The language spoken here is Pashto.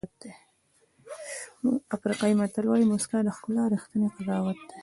افریقایي متل وایي موسکا د ښکلا ریښتینی قضاوت دی.